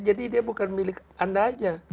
jadi dia bukan milik anda aja